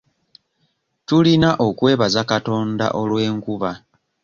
Tulina okwebaza Katonda olw'enkuba .